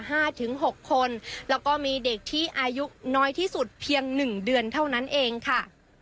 ถึงหกคนแล้วก็มีเด็กที่อายุน้อยที่สุดเพียงหนึ่งเดือนเท่านั้นเองค่ะ